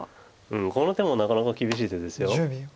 この手もなかなか厳しい手です。